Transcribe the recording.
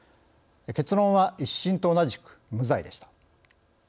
結論は、１審と同じく無罪でした。